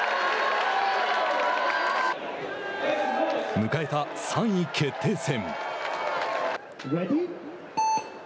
迎えた３位決定戦。